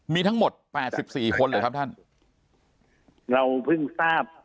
มีทั้งหมด๘๔คนหรือครับท่านเราเพิ่งทราบ